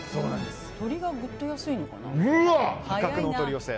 鶏がぐっと安いのかな。